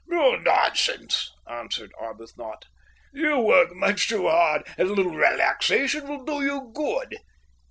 "Nonsense," answered Arbuthnot. "You work much too hard, and a little relaxation will do you good."